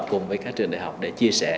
cùng với các trường đại học để chia sẻ